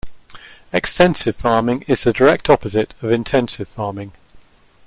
Extensive farming is the direct opposite of intensive farming.